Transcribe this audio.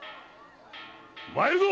参るぞ！